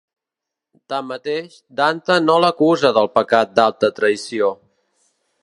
Tanmateix, Dante no l'acusa del pecat d'alta traïció.